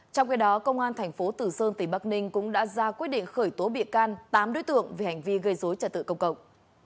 trong khi đó công an tp tử sơn tp bắc ninh cũng đã ra quyết định khởi tố bị can tám đối tượng vì hành vi gây dối trả tự công cộng